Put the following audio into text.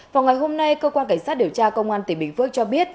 vào ngày hôm nay cơ quan cảnh sát điều tra công an tỉnh bình phước cho biết